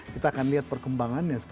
kita akan lihat perkembangannya